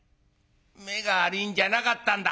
目が悪いんじゃなかったんだ。